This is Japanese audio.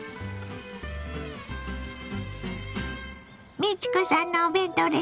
美智子さんのお弁当レシピ。